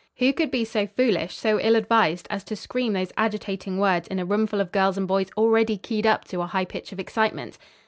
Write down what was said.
Who could be so foolish, so ill advised as to scream those agitating words in a roomful of girls and boys already keyed up to a high pitch of excitement?